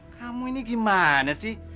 kamu ini gimana sih